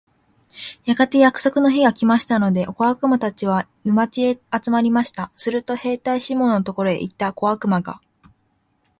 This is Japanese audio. やがて約束の日が来ましたので、小悪魔たちは、沼地へ集まりました。すると兵隊シモンのところへ行った小悪魔が、